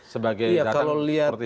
sebagai datang seperti saksi